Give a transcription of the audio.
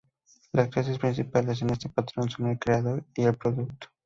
Las clases principales en este patrón son el "creador" y el "producto".